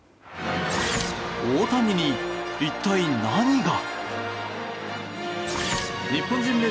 大谷に一体何が？